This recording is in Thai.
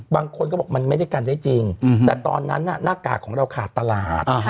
บางคนก็บอกมันไม่ได้กันได้จริงแต่ตอนนั้นหน้ากากของเราขาดตลาด